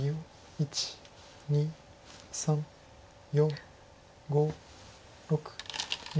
１２３４５６７。